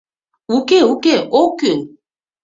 — Уке, уке, ок кӱл!